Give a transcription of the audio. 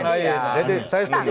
jadi saya setuju